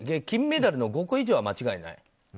金メダルの５個以上は間違いない？